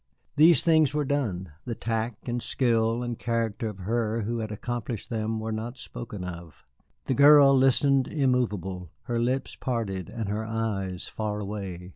These things were done; the tact and skill and character of her who had accomplished them were not spoken of. The girl listened immovable, her lips parted and her eyes far away.